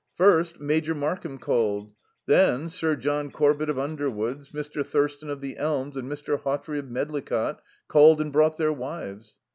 First, Major Markham called. Then Sir John Corbett of Underwoods, Mr. Thurston of The Elms, and Mr. Hawtrey of Medlicott called and brought their wives.